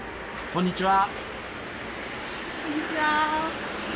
こんにちは。